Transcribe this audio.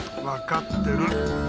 わかってる。